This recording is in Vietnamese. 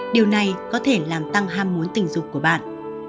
điều này có thể làm tăng ham muốn tình dục của bạn